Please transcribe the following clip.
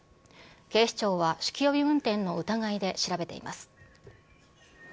警視庁は、酒気帯び運転の疑いで調べています。